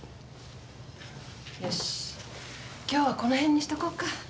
よし今日はこの辺にしとこうか。